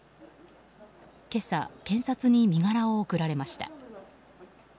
今朝、検察に身柄を送られました。